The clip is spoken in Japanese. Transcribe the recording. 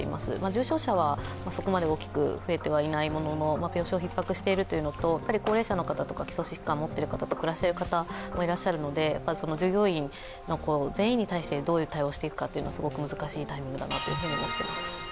重症者はそこまで大きく増えてはいないものの、病床ひっ迫しているというのと高齢者の方とかと暮らしている人もいるので従業員の全員に対してどういう対応をしていくかはすごく難しいタイミングだと思っています。